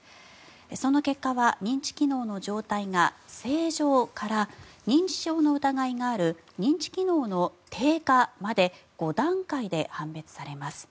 その結果は認知機能の状態が、正常から認知症の疑いがある認知機能の低下まで５段階で判別されます。